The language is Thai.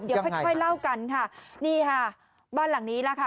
เดี๋ยวค่อยค่อยเล่ากันค่ะนี่ค่ะบ้านหลังนี้ล่ะค่ะ